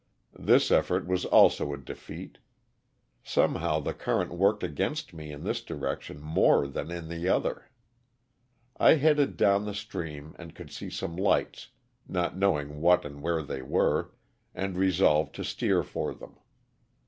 'J'his effort was also a defeat. Somehow the current worked against me in this direction more than in the other. I headed down the stream and could see some lights, not knowing what and where they were, and resolved to steer for them.